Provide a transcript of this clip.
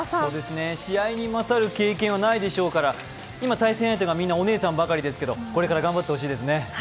試合に勝る経験はないでしょうから今、対戦相手がみんなお姉さんばかりですけどこれから頑張ってほしいですね。